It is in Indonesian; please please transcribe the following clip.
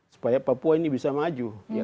supaya papua ini bisa maju